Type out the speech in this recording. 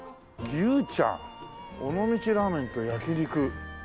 尾道ラーメンと焼肉。